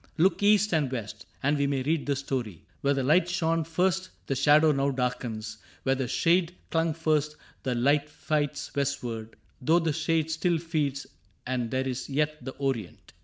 Look east and west And we may read the story : where the light Shone first the shade now darkens; where the shade Clung first, the light fights westward — though the shade Still feeds, and there is yet the Orient.